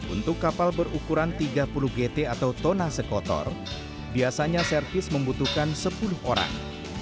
untuk kapal berukuran tiga puluh gt atau tona sekotor biasanya servis membutuhkan sepuluh orang